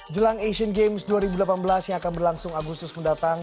jelang asian games dua ribu delapan belas yang akan berlangsung agustus mendatang